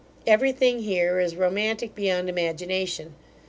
Every thing here is romantic beyond imagination.